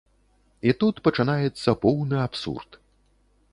І тут пачынаецца поўны абсурд.